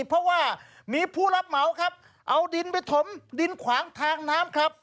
เพราะว่ามีผู้รับเหมาครับเอาดินไปถมดินขวางทางน้ำครับ